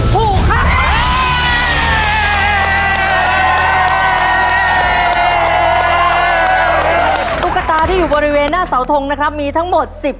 คู่ครับ